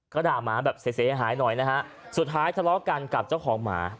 ก็ด่าหมาแบบเสียหายหน่อยนะฮะสุดท้ายทะเลาะกันกับเจ้าของหมา